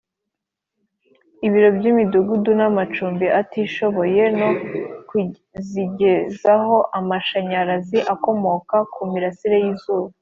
ibiro by imidugudu n amacumbi y abatishoboye no kuzigezaho amashanyarazi akomoka ku mirasire y izuba